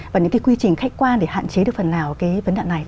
và những cái quy trình khách quan để hạn chế được phần nào cái vấn đạn này